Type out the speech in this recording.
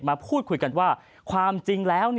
มาพูดคุยกันว่าความจริงแล้ว